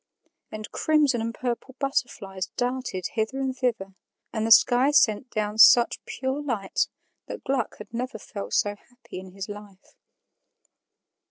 And crimson and purple butterflies darted hither and thither, and the sky sent down such pure light that Gluck had never felt so happy in his life.